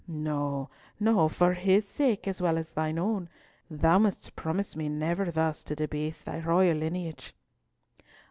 No, no, for his sake, as well as thine own, thou must promise me never thus to debase thy royal lineage."